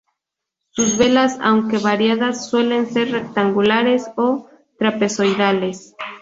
Sus velas aunque variadas suelen ser rectangulares o trapezoidales.